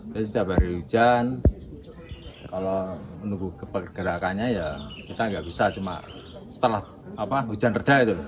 tapi setiap hari hujan kalau menunggu pergerakannya ya kita nggak bisa cuma setelah hujan reda itu